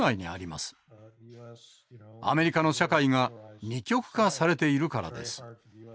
アメリカの社会が二極化されているからです。